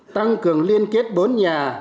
tăng cường liên kết bốn nhà